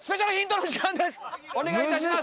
お願いいたします。